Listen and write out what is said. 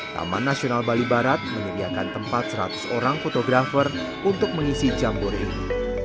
taman nasional bali barat menyediakan tempat seratus orang fotografer untuk mengisi jambore ini